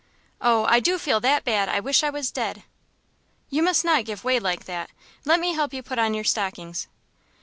"Oh, I do feel that bad, I wish I was dead!" "You must not give way like that; let me help you put on your stockings."